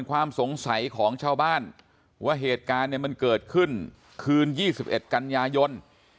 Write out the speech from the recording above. ความสงสัยของชาวบ้านว่าเหตุการณ์เนี่ยมันเกิดขึ้นคืน๒๑กันยายน